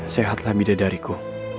sehatlah bida dariku